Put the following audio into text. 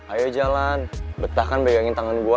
ayo jalan betah kan pegangin tangan gue